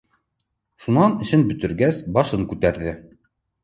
Шунан, эшен бөтөргәс, башын күтәрҙе